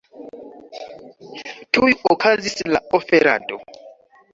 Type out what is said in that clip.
Tuj okazis la oferado.